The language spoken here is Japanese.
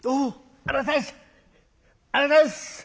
ありがとうございます！